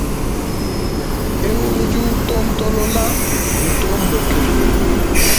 Eu udi utontolola, mutomboke.